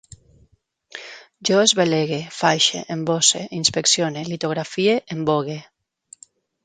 Jo esbelegue, faixe, emboce, inspeccione, litografie, embogue